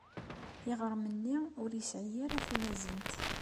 Iɣrem-nni ur yesɛi ara tanazent.